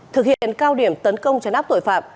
thực hiện cao điểm tấn công chấn áp tội phạm